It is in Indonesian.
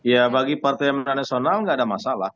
ya bagi partai amanah nasional nggak ada masalah